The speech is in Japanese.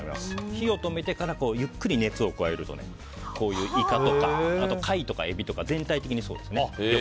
火を止めてからゆっくり熱を加えるとこういうイカとか貝とかエビとか全体的にそうですね。